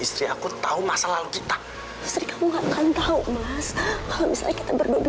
setelah ibu telepon